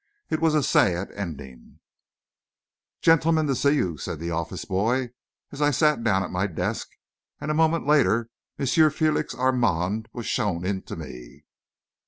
It was a sad ending. "Gentleman to see you, sir," said the office boy, as I sat down at my desk, and a moment later, M. Félix Armand was shown in to me.